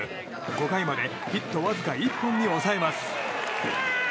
５回までヒットわずか１本に抑えます。